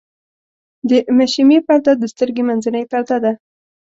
د مشیمیې پرده د سترګې منځنۍ پرده ده.